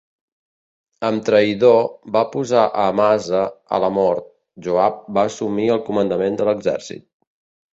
Amb traïdor va posar a Amasa a la mort, Joab va assumir el comandament de l'exèrcit.